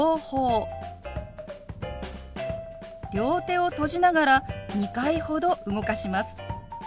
両手を閉じながら２回ほど動かします。